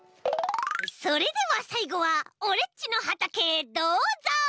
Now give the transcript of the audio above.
それではさいごはオレっちのはたけへどうぞ！